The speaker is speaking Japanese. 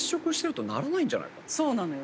そうなのよ。